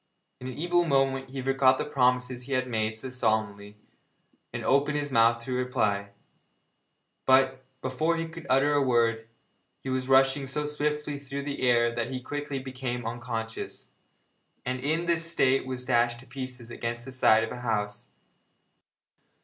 In an evil moment he forgot the promises he had made so solemnly, and opened his mouth to reply, but, before he could utter a word, he was rushing so swiftly through the air that he quickly became unconscious, and in this state was dashed to pieces against the side of a house.